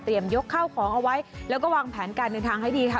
ยกเข้าของเอาไว้แล้วก็วางแผนการเดินทางให้ดีค่ะ